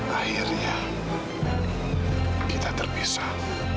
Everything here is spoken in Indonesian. akhirnya kita terpisah